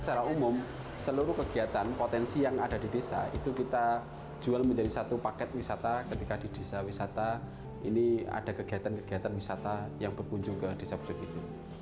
secara umum seluruh kegiatan potensi yang ada di desa itu kita jual menjadi satu paket wisata ketika di desa wisata ini ada kegiatan kegiatan wisata yang berkunjung ke desa puncak itu